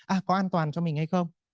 à có an toàn cho mình hay không